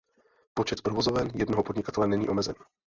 Počet provozoven jednoho podnikatele není omezen.